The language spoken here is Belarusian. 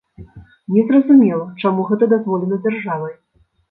Незразумела, чаму гэта дазволена дзяржавай.